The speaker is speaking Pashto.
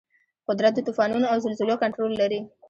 قدرت د طوفانونو او زلزلو کنټرول لري.